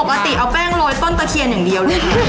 ปกติเอาแป้งโรยต้นตะเคียนอย่างเดียวเลย